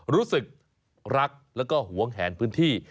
รู้สึกรักแล้วก็หวงแหนพื้นที่